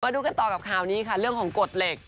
ดูกันต่อกับข่าวนี้ค่ะเรื่องของกฎเหล็ก